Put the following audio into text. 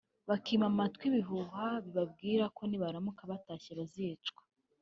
bakima amatwi ibihuha bibabwira ko nibaramuka batashye bazicwa